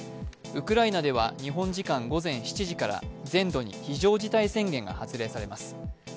ウクライナでは日本時間午前７時から全土に非常事態宣言が発令されます。